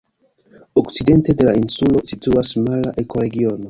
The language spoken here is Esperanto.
Okcidente de la insulo situas mara ekoregiono.